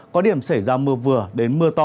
có điểm xảy ra mưa vừa đến mưa tối